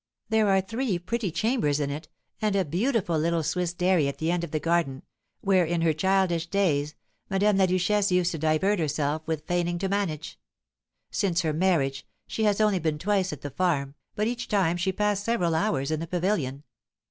There are three pretty chambers in it, and a beautiful little Swiss dairy at the end of the garden, where, in her childish days, Madame la Duchesse used to divert herself with feigning to manage. Since her marriage, she has only been twice at the farm, but each time she passed several hours in the pavilion.